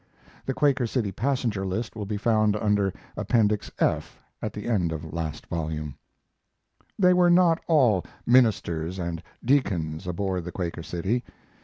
[The Quaker City passenger list will be found under Appendix F, at the end of last volume.] They were not all ministers and deacons aboard the Quaker City.